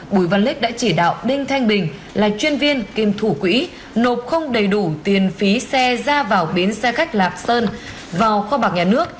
bùi văn lích đã chỉ đạo đinh thanh bình là chuyên viên kiêm thủ quỹ nộp không đầy đủ tiền phí xe ra vào bến xe khách lạc sơn vào kho bạc nhà nước